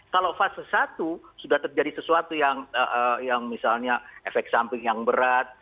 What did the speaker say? kalau fase satu sudah terjadi sesuatu yang misalnya efek samping yang berat